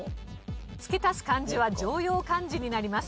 付け足す漢字は常用漢字になります。